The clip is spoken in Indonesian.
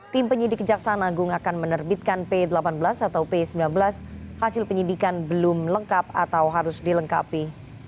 tim penyidik kejaksaan agung akan menerbitkan p delapan belas atau p sembilan belas hasil penyidikan belum lengkap atau harus dilengkapi